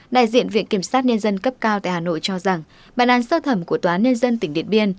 đại diện viện kiểm sát nhân dân cấp cao tại hà nội cho rằng bản án sơ thẩm của tòa án nhân dân tỉnh điện biên